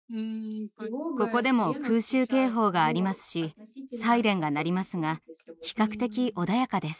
ここでも空襲警報がありますしサイレンが鳴りますが比較的穏やかです。